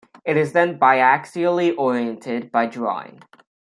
It is then biaxially oriented by drawing.